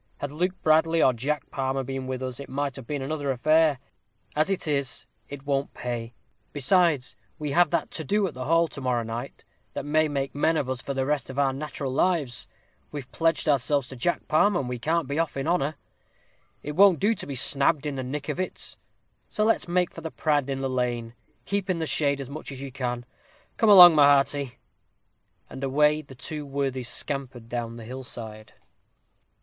Had Luke Bradley or Jack Palmer been with us, it might have been another affair. As it is, it won't pay. Besides, we've that to do at the hall to morrow night that may make men of us for the rest of our nat'ral lives. We've pledged ourselves to Jack Palmer, and we can't be off in honor. It won't do to be snabbled in the nick of it. So let's make for the prad in the lane. Keep in the shade as much as you can. Come along, my hearty." And away the two worthies scampered down the hill side.